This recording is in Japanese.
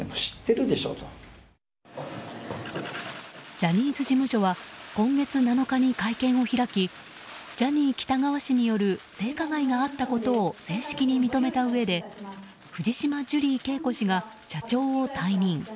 ジャニーズ事務所は今月７日に会見を開きジャニー喜多川氏による性加害があったことを正式に認めたうえで藤島ジュリー景子氏が社長を退任。